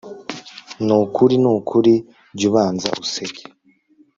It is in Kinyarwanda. Nukuri nukuri jyubanza useke